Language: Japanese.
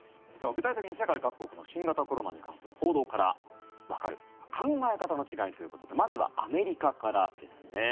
具体的に、世界各国の新型コロナに関する報道からわかる考え方の違いということでまずはアメリカからですね。